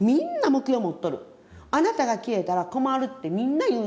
あなたが消えたら困るってみんな言うてる。